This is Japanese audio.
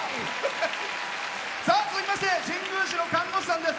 続きまして新宮市の看護師さんです。